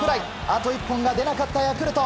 あと一本が出なかったヤクルト。